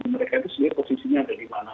mereka itu sebenarnya posisinya ada di mana